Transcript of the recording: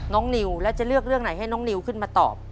นิวแล้วจะเลือกเรื่องไหนให้น้องนิวขึ้นมาตอบ